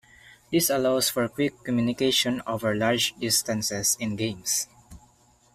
This allows for quick communication over large distances in games.